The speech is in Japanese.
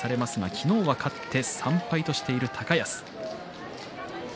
昨日勝って３敗としている高安。